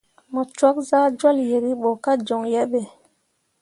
Mu cwak saa jol yeribo ka joŋ yehe.